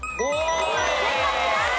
正解です！